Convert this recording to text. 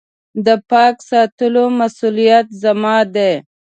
د پاک ساتلو مسولیت زما دی .